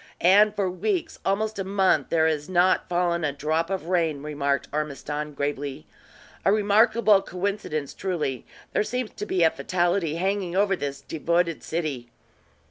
"And for weeks, almost month, there has not fallen a drop of rain," remarked Ormiston, gravely. "A remarkable coincidence, truly. There seems to be a fatality hanging over this devoted city."